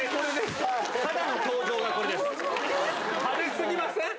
派手すぎません？